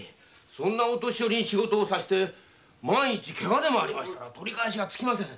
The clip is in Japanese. そんなお年寄りに仕事をさせて万一ケガでもあったら取り返しがつきません。